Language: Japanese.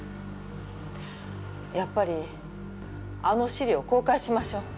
やっぱりあの資料公開しましょう。